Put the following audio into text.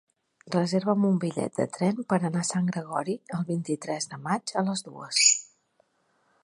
Reserva'm un bitllet de tren per anar a Sant Gregori el vint-i-tres de maig a les dues.